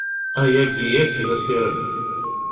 Ayagi yakk d asirem.